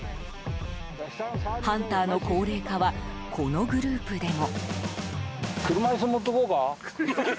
ハンターの高齢化はこのグループでも。